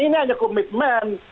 ini hanya komitmen